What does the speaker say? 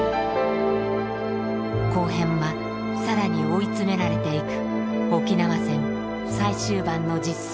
後編はさらに追い詰められていく沖縄戦最終盤の実相に迫ります。